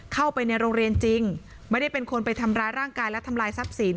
เข้าไปในโรงเรียนจริงไม่ได้เป็นคนไปทำร้ายร่างกายและทำลายทรัพย์สิน